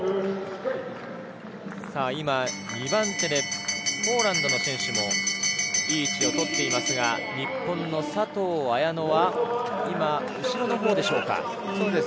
２番手でポーランドの選手もいい位置を取っていますが、日本の佐藤綾乃はいま後ろのほうでしょうか？